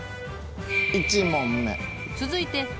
１問目。